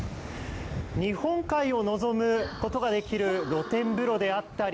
日本海を望むことができる露天風呂であったり